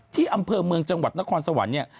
อำเภอเมืองจังหวัดนครสวรรค์เนี่ย